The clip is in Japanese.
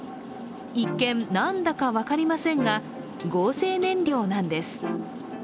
一見、何だか分かりませんが、合成燃料なんです。